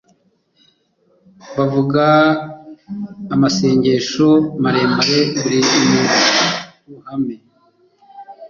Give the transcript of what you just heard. bakavuga amasengesho maremare bari mu ruhame,